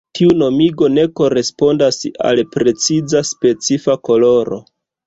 Tiu nomigo ne korespondas al preciza specifa koloro.